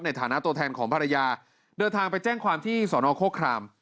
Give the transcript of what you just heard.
ในฐานะตัวแทนของภรรยาเดินทางไปแจ้งความที่สอนอโฆคราม